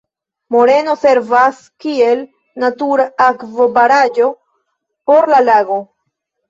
Moreno servas kiel natura akvobaraĵo por la lago.